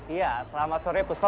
iya selamat sore puspa